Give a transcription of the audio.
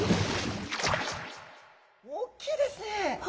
おっきいですね。